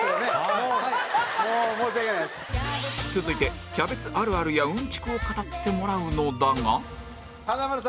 続いてキャベツあるあるやうんちくを語ってもらうのだが